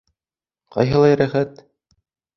— Ҡайһылай рәхәт!